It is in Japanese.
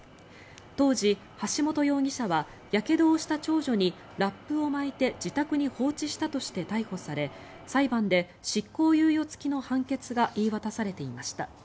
当時、橋本容疑者はやけどをした長女にラップを巻いて自宅に放置したとして逮捕され裁判で執行猶予付きの判決が言い渡されていました。